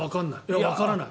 わからない。